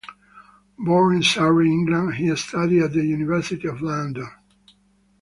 Born in Surrey, England, he studied at the University of London.